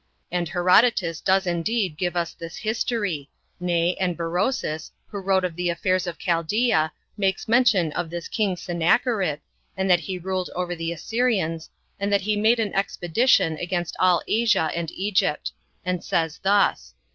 And Herodotus does indeed give us this history; nay, and Berosus, who wrote of the affairs of Chaldea, makes mention of this king Sennacherib, and that he ruled over the Assyrians, and that he made an expedition against all Asia and Egypt; and says thus: 5.